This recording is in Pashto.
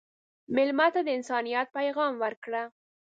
مېلمه ته د انسانیت پیغام ورکړه.